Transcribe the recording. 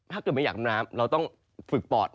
ถ้าเกิดไม่อยากดำน้ำเราต้องฝึกปอด